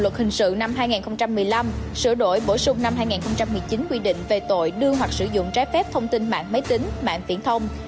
điều hai trăm tám mươi tám bộ luật hình sự năm hai nghìn một mươi năm sửa đổi bổ sung năm hai nghìn một mươi chín quy định về tội đưa hoặc sử dụng trái phép thông tin mạng máy tính mạng phiển thông